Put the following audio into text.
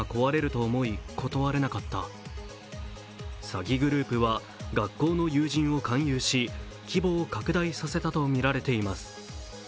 詐欺グループは学校の友人を勧誘し、規模を拡大させたとみられています。